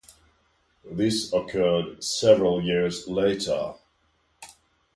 This occurred several years later.